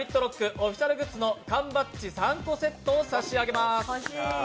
オフィシャルグッズの缶バッチ３個セットを差し上げます。